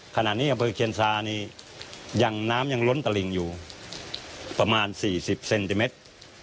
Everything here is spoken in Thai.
ขณะนี้อำเภอเคียนซานี่ยังน้ำยังล้นตลิงอยู่ประมาณ๔๐เซนติเมตร